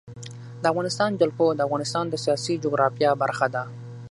د افغانستان جلکو د افغانستان د سیاسي جغرافیه برخه ده.